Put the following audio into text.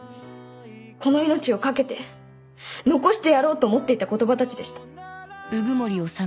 この命を懸けて残してやろうと思っていた言葉たちでした。